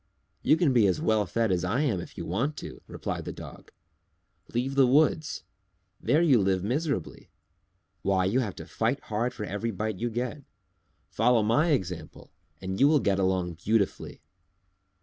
"You can be as well fed as I am if you want to," replied the Dog. "Leave the woods; there you live miserably. Why, you have to fight hard for every bite you get. Follow my example and you will get along beautifully."